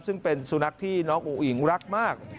ซึ่งเป็นสุนัขที่น้องอุ๋อิ๋งรักมาก